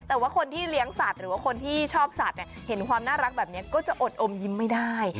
แต่ว่าคนที่เลี้ยงสัตว์หรือว่าคนที่ชอบสัตว์เห็นความน่ารักแบบนี้ก็จะอดอมยิ้มไม่ได้